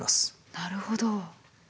なるほど。